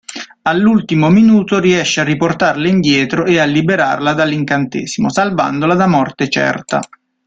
All'ultimo minuto riesce a riportarla indietro e a liberarla dall'incantesimo, salvandola da morte certa.